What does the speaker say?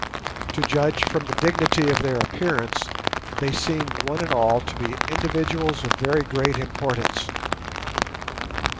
To judge from the dignity of their appearance, they seemed one and all to be individuals of very great importance.